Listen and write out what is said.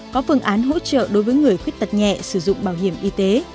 có phương án hỗ trợ đối với người khuyết tật nhẹ sử dụng bảo hiểm y tế